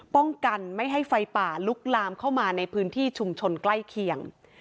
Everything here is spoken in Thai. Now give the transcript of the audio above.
ป้องกันไม่ให้ไฟป่าลุกลามเข้ามาในพื้นที่ชุมชนใกล้เคียง